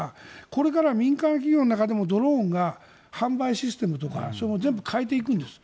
これから民間企業の中でもドローンが販売システムとかを全部変えていくんです。